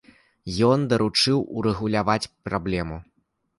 Ён даручыў урэгуляваць праблему.